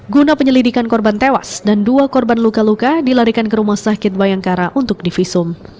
guna penyelidikan korban tewas dan dua korban luka luka dilarikan ke rumah sakit bayangkara untuk divisum